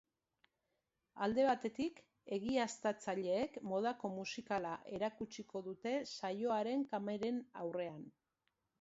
Alde batetik, egiaztatzaileek modako musikala erakutsiko dute saioaren kameren aurrean.